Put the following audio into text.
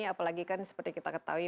apalagi kan seperti kita ketahui